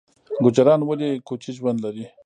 ګوجران ولې کوچي ژوند لري؟